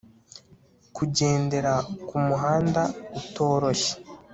kugendera kumuhanda utoroshye